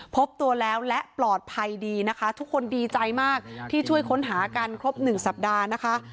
พบตัวแล้วและปลอดภัยดีนะคะทุกคนดีใจมากที่ช่วยค้นหากันครบหนึ่งสัปดาห์นะคะ